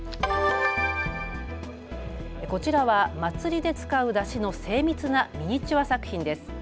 こちらは祭りで使う山車の精密なミニチュア作品です。